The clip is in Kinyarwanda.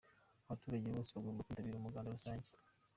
Abaturage bose bagomba kwitabira umuganda rusange.